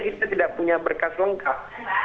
kita tidak punya berkas lengkap